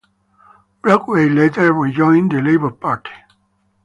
Brockway later rejoined the Labour Party.